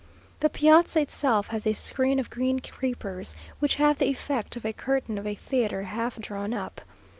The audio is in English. The piazza itself has a screen of green creepers, which have the effect of a curtain of a theatre half drawn up.